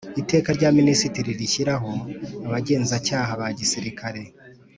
Iteka rya Minisitiri rishyiraho Abagenzacyaha ba Gisirikare